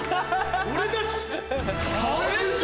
俺たち。